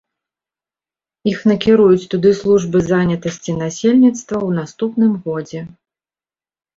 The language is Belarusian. Іх накіруюць туды службы занятасці насельніцтва ў наступным годзе.